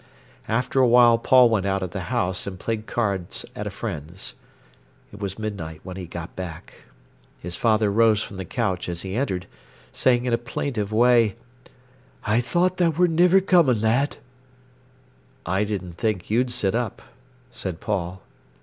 After a while Paul went out of the house, and played cards at a friend's. It was midnight when he got back. His father rose from the couch as he entered, saying in a plaintive way: "I thought tha wor niver comin', lad." "I didn't think you'd sit up," said Paul.